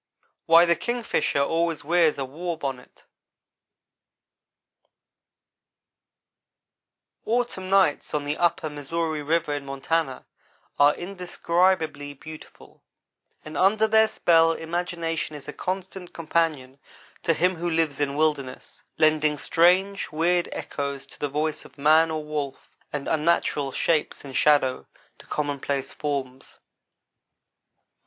WHY THE KINGFISHER ALWAYS WEARS A WAR BONNET AUTUMN nights on the upper Missouri river in Montana are indescribably beautiful, and under their spell imagination is a constant companion to him who lives in wilderness, lending strange, weird echoes to the voice of man or wolf, and unnatural shapes in shadow to commonplace forms.